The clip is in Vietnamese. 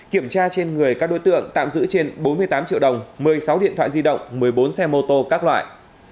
kiểm tra trên người các đối tượng tạm giữ trên bốn mươi tám triệu đồng một mươi sáu điện thoại di động một mươi bốn xe mô tô các loại